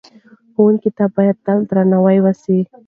ښوونکو ته باید تل درناوی وسي.